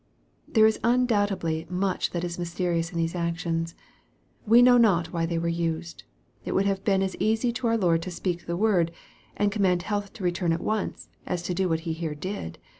There is undoubtedly much that is mysterious in these actions. We know not why they were used. It would have been as easy to our Lord to speak the word, and command health to return at once, as to do what He here did.